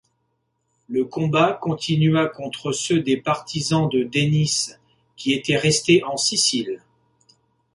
Le combat continua contre ceux des partisans de Denys qui étaient restés en Sicile.